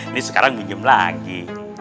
ini sekarang minjem lagi